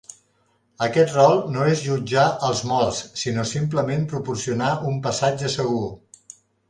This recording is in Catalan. Aquest rol no és jutjar els morts, sinó simplement proporcionar un passatge segur.